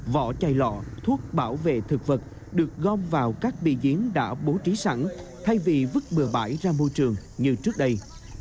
vỏ chai lọ thuốc bảo vệ thực vật được gom vào các bì giếng đã bố trí sẵn thay vì vứt bừa bãi ra môi trường như trước đây